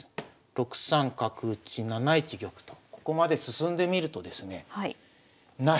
６三角打７一玉とここまで進んでみるとですねない！